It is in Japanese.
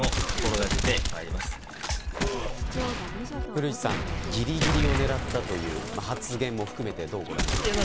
古市さん、ギリギリを狙ったという発言も含めてどうご覧になりますか。